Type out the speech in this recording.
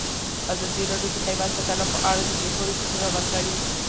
ازادي راډیو د حیوان ساتنه په اړه د پېښو رپوټونه ورکړي.